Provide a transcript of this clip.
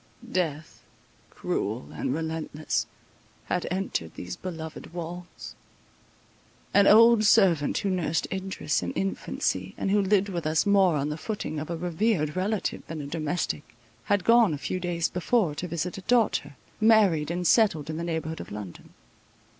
Death, cruel and relentless, had entered these beloved walls. An old servant, who had nursed Idris in infancy, and who lived with us more on the footing of a revered relative than a domestic, had gone a few days before to visit a daughter, married, and settled in the neighbourhood of London.